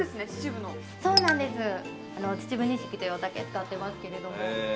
そうなんです秩父錦というお酒使ってますけれども。